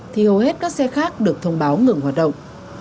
thì hầu hết các xe khác được thông báo ngừng hoạt động